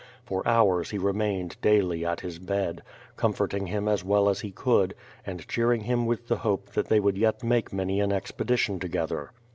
For hours he re mained daily at his bed, comforting him as well as he could, and cheering him with the hope that they would yet make many an expedition together.